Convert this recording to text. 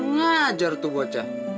ngajar tuh bocah